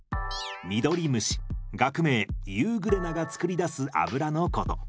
ミドリムシ学名ユーグレナが作り出す油のこと。